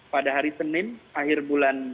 pada hari senin akhir bulan